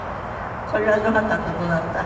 これはどなたとどなた？